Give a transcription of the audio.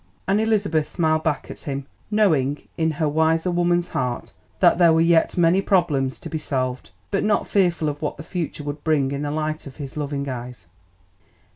And Elizabeth smiled back at him, knowing in her wiser woman's heart that there were yet many problems to be solved, but not fearful of what the future would bring in the light of his loving eyes.